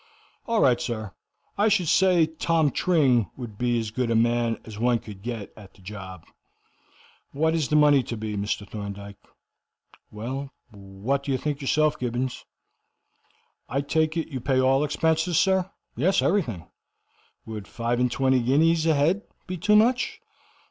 "All right, sir. I should say Tom Tring would be as good a man as one could get at the job. What is the money to be, Mr. Thorndyke?" "Well, what do you think yourself, Gibbons?" "I take it you pay all expenses, sir?" "Yes, everything." "Would five and twenty guineas a head be too much?"